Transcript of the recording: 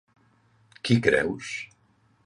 Qui creus?